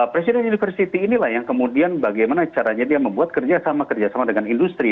presiden university inilah yang kemudian bagaimana caranya dia membuat kerja sama kerja sama dengan industri